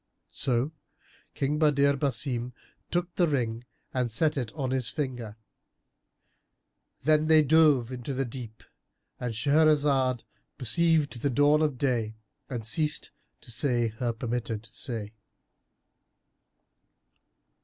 So King Badr Basim took the ring and set it on his finger. Then they dove into the deep——And Shahrazad perceived the dawn of day and ceased to say her permitted say.